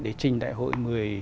để trình đại hội một mươi ba